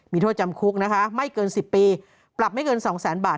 มีโทษจำคุกนะคะไม่เกิน๑๐ปีปรับไม่เกิน๒แสนบาท